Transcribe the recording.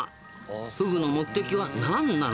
フグの目的は何なのか？